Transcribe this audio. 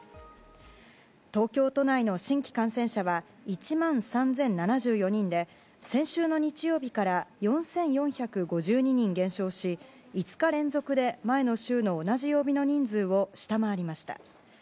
東京都内の新規感染者は１万３０７４人で先週の日曜日から４４５２人減少し５日連続で前の週の同じ曜日の人数を下回りました。